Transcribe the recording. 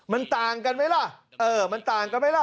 มันต่างกันไหมล่ะเออมันต่างกันไหมล่ะ